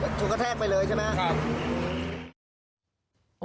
ถูกแท้กไปเลยใช่ไหมครับกันดีนะห้า